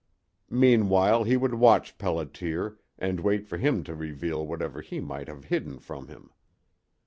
Meanwhile he would watch Pelliter, and wait for him to reveal whatever he might have hidden from him.